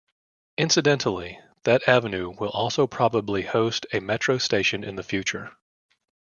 Incidentally, that avenue will also probably host a metro station in the future.